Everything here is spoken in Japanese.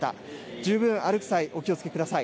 十分、歩く際、お気をつけください。